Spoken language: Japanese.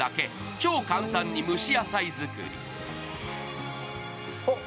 超簡単に蒸し野菜作り。